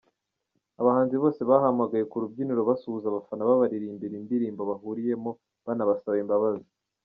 Abahanzi bose bahamagawe ku rubyiniro basuhuza abafana babaririmbira indirimbo bahuriyemo banabasaba imbabazi.